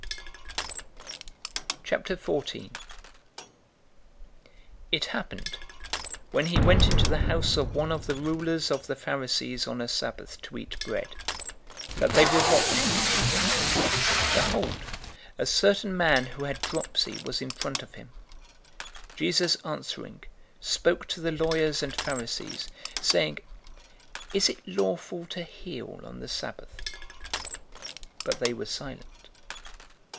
'"{Psalm 118:26} 014:001 It happened, when he went into the house of one of the rulers of the Pharisees on a Sabbath to eat bread, that they were watching him. 014:002 Behold, a certain man who had dropsy was in front of him. 014:003 Jesus, answering, spoke to the lawyers and Pharisees, saying, "Is it lawful to heal on the Sabbath?" 014:004 But they were silent.